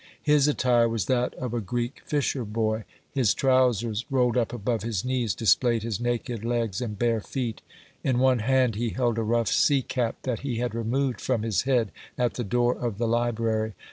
His attire was that of a Greek fisher boy; his trousers, rolled up above his knees, displayed his naked legs and bare feet; in one hand he held a rough sea cap that he had removed from his head at the door of the library.